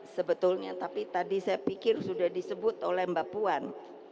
sebetulnya tapi tadi saya pikir sudah disebut oleh mbak puan